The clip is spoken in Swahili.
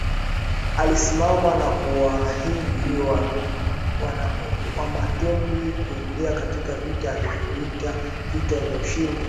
alisimama na kuwaahidi Wamatumbi kuingia katika vita aliyoiita vita ya ushindi